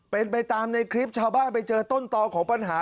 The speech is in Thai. เป็นไปตามในคลิปชาวบ้านไปเจอต้นต่อของปัญหา